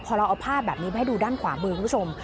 พอเราเอาภาพแบบนี้มาให้ดูด้านขวามือคุณผู้ชม